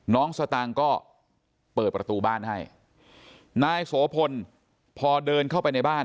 น้องสตางค์ก็เปิดประตูบ้านให้นายโสพลธิตานผ่าเดินเข้าในบ้าน